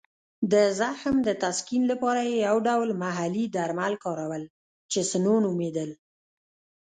د زخم د تسکین لپاره یې یو ډول محلي درمل کارول چې سنو نومېدل.